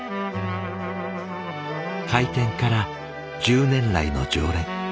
開店から１０年来の常連。